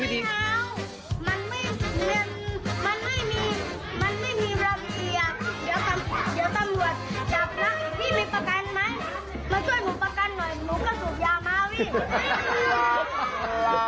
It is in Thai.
พี่มีประกันไหมมาช่วยหนูประกันหน่อยหนูก็สูบยามาวี่